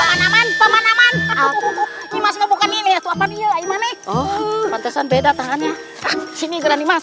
huti berdasarkan beda tangannya adalah orang luas